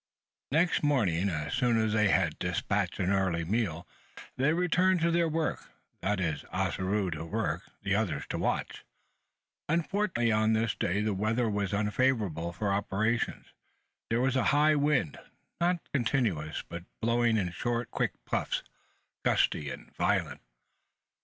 Next morning, as soon as they had despatched an early meal, they returned to their work that is, Ossaroo to work, the others to watch. Unfortunately on this day the weather was unfavourable for operations. There was a high wind, not continuous, but blowing in short, quick puffs gusty and violent.